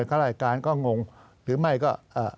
ข้าราชการก็งงหรือไม่ก็